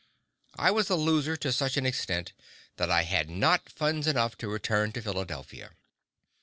I was a loser to such an extent that I had not funds enough to return to Philadelphia.